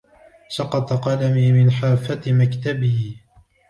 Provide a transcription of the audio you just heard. سقط قلمي من حافة مكتبي.